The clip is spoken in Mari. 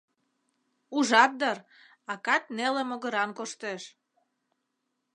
Ужат дыр, акат неле могыран коштеш.